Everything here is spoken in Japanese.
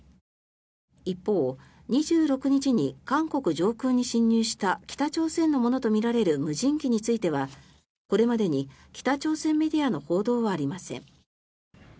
一方、２６日に韓国上空に侵入した北朝鮮のものとみられる無人機についてはこれまでに北朝鮮メディアの報道はありません。